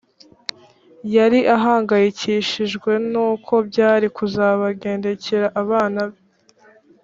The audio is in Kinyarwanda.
yari ahangayikishijwe n’uko byari kuzabagendekera abana be